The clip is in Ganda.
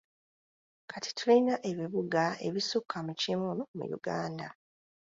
Kati tulina ebibuga ebisukka mu kimu mu Uganda.